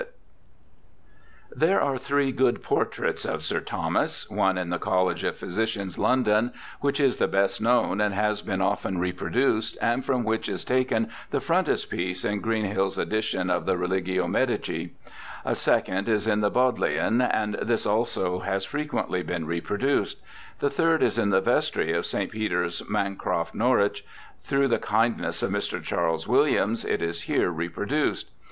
1.^/, /;//"'/' r_ irJ u (h. kc.JC4 2 .^,,,1^^ ttit/lisSjeu: SIR THOMAS BROWNE 259 There are three good portraits of Sir Thomas ; one in the College of Physicians, London, which is the best known and has been often reproduced, and from which is taken the frontispiece in Greenhill's edition of the Religio Medici \ a second is in the Bodleian, and this also has frequently been reproduced ; the third is in the vestry of St. Peter's Mancroft, Norwich. Through the kindness of Mr. Charles Williams, it is here reproduced.